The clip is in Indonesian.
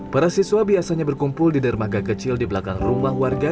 para siswa biasanya berkumpul di dermaga kecil di belakang rumah warga